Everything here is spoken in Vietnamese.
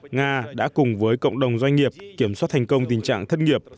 nga đã cùng với cộng đồng doanh nghiệp kiểm soát thành công tình trạng thất nghiệp